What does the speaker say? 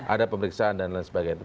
ada pemeriksaan dan lain sebagainya